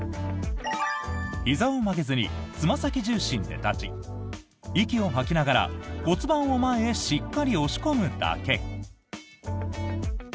ひざを曲げずにつま先重心で立ち息を吐きながら、骨盤を前へしっかり押し込むだけ。